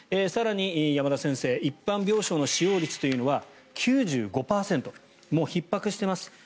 更に山田先生一般病床の使用率というのは９５％とひっ迫しています。